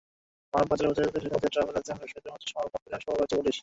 মানব পাচার প্রতিরোধে ফেনীতে ট্রাভেল এজেন্ট ব্যবসায়ীদের সঙ্গে মতবিনিময় সভা করেছে পুলিশ।